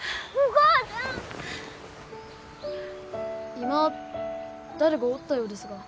今誰かおったようですが。